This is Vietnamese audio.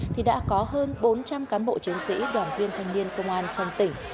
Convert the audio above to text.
thì đã có hơn bốn trăm linh cán bộ chiến sĩ đoàn viên thanh niên công an trong tỉnh